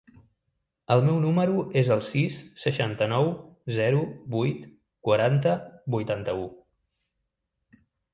El meu número es el sis, seixanta-nou, zero, vuit, quaranta, vuitanta-u.